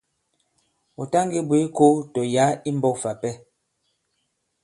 Ɔ̀ ta ngē bwě kō tɔ̀ yǎ i mbɔ̄k fà ipɛ.